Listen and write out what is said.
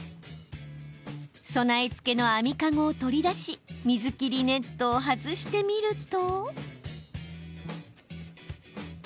備え付けの網かごを取り出し水切りネットを外してみると。